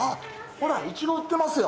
ほら、イチゴ売ってますよ。